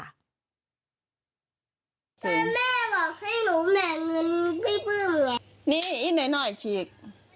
๑๐บาทกันสินะลูก